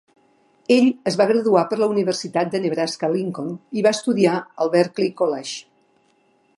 Ell es va graduar per la Universitat de Nebraska-Lincoln i va estudiar al Berklee College.